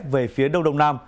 về phía đông